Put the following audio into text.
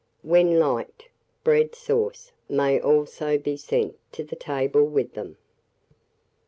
When liked, bread sauce may also be sent to table with them.